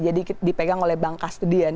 jadi dipegang oleh bank kastidian